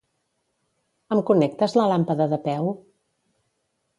Em connectes la làmpada de peu?